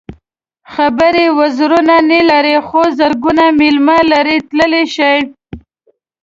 خبرې وزرونه نه لري خو زرګونه مېله لرې تللی شي.